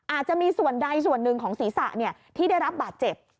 อาจจะมีส่วนใดส่วนหนึ่งของศีรษะที่ได้รับบาดเจ็บ